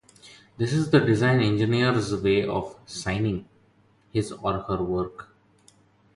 This is the design engineer's way of "signing" his or her work.